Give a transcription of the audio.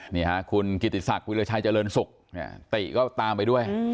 นี่ค่ะคุณกิติศักดิราชัยเจริญศุกร์เนี่ยติก็ตามไปด้วย